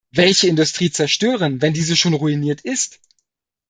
Welche Industrie zerstören, wenn diese schon ruiniert ist.